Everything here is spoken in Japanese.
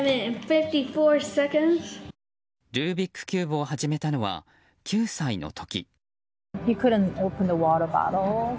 ルービックキューブを始めたのは９歳の時。